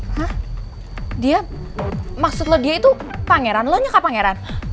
hah dia maksud lo dia itu pangeran lo nyaka pangeran